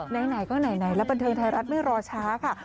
ไหนก็ไหนแล้วบันเทิงไทยรัฐไม่รอช้าค่ะ